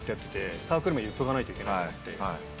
サークル名言っておかないといけないと思って。